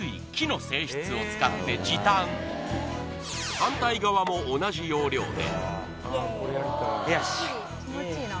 反対側も同じ要領で。